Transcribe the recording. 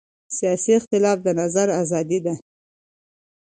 سیاسي اختلاف د نظر ازادي ده